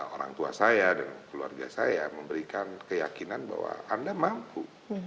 orang tua saya dan keluarga saya memberikan keyakinan bahwa anda mampu